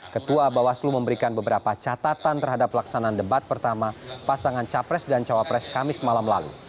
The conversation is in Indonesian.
ketua bawaslu memberikan beberapa catatan terhadap pelaksanaan debat pertama pasangan capres dan cawapres kamis malam lalu